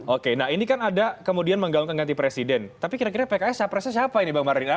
oke nah ini kan ada kemudian menggaungkan ganti presiden tapi kira kira pks capresnya siapa ini bang mardin